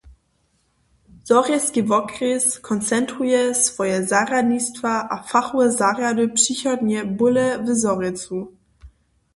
Zhorjelski wokrjes koncentruje swoje zarjadnistwa a fachowe zarjady přichodnje bóle w Zhorjelcu.